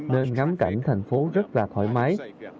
nên ngắm cảnh thành phố rất là thoải mái